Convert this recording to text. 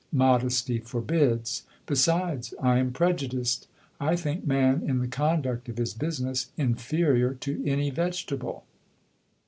Modesty forbids. Besides, I am prejudiced. I think man, in the conduct of his business, inferior to any vegetable.